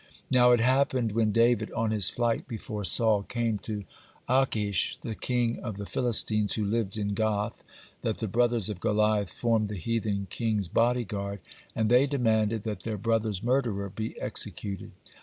Now, it happened when David, on his flight before Saul, came to Achish, the king of the Philistines, who lived in Gath, that the brothers of Goliath formed the heathen king's body guard, and they demanded that their brother's murderer be executed.